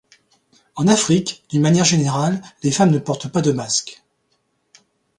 En Afrique, d'une manière générale, les femmes ne portent pas de masques.